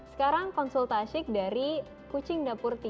sekarang konsultasi dari kucing dapur tiga puluh dua